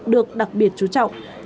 được đặc biệt chú trọng